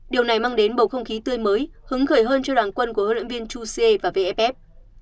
điều này mang đến bầu không khí tươi mới hứng khởi hơn cho đoàn quân của huấn luyện viên chuse và vff